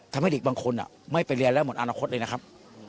ทำให้เด็กบางคนไม่ไปเรียนแล้วหมดอนาคตเลยนะครับ